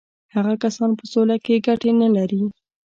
هغه کسان په سوله کې ګټې نه لري.